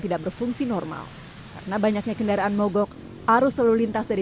tidak berfungsi normal karena banyaknya kendaraan mogok arus lalu lintas dari